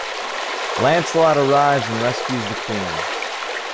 Lancelot arrives and rescues the queen.